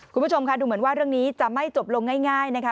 คุณผู้ชมค่ะดูเหมือนว่าเรื่องนี้จะไม่จบลงง่ายนะคะ